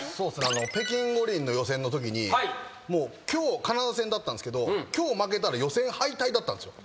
北京五輪の予選のときにカナダ戦だったんですけど今日負けたら予選敗退だったんですよ。